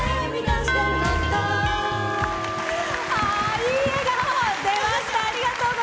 いい笑顔、出ました。